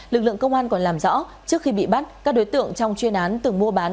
lực lượng công an còn làm rõ trước khi bị bắt các đối tượng trong chuyên án từng mua bán